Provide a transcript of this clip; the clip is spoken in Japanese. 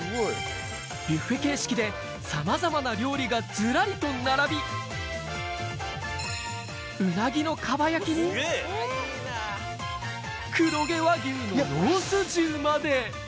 ビュッフェ形式で、さまざまな料理がずらりと並び、うなぎのかば焼きに、黒毛和牛のロース重まで。